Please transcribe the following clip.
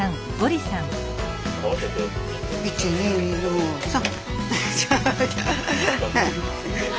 １２の３。